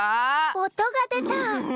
おとがでた。